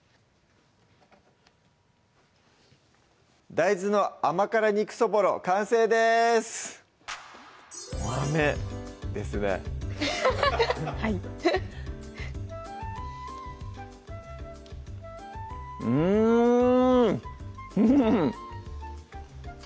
「大豆の甘辛肉そぼろ」完成です豆ですねはいうんうん！